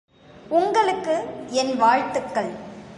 உங்களுக்கு என் வாழ்த்துக்கள்.